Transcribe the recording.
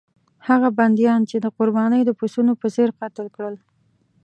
هغه بندیان یې د قربانۍ د پسونو په څېر قتل کړل.